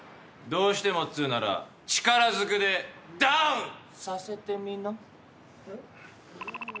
どうしてもっつうなら力ずくでダウンさせてみな。